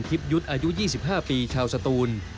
ยุทธ์อายุ๒๕ปีชาวสตูน